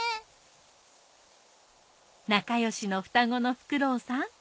仲よしの双子のフクロウさん